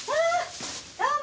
どうも！